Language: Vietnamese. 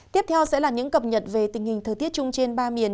tiếp theo sẽ là những cập nhật về tình hình thời tiết chung trên ba miền